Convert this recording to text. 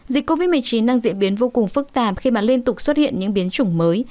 dịch covid một mươi chín đang diễn biến vô cùng phức tạp khi mà liên tục xuất hiện những biến chủng mới